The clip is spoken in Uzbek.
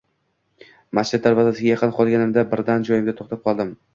Masjid darvozasiga yaqin qolganimda birdan joyimda toʻxtab qoldim